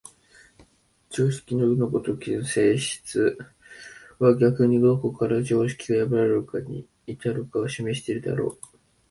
常識の右の如き性質は逆にどこから常識が破られるに至るかを示しているであろう。